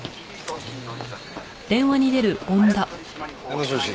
もしもし？